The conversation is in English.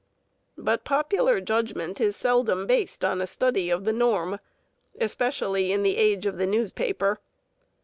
But popular judgment is seldom based on a study of the norm, especially in this age of the newspaper.